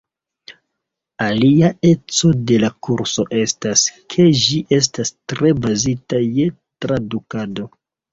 Alia eco de la kurso estas, ke ĝi estas tre bazita je tradukado.